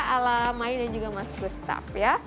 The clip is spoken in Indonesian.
ala mainnya juga mas gustaf ya